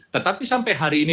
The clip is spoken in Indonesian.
tetapi sampai hari ini